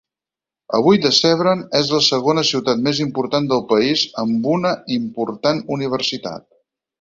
Avui Debrecen és la segona ciutat més important del país, amb una important universitat.